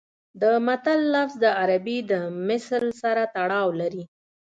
د متل لفظ د عربي د مثل سره تړاو لري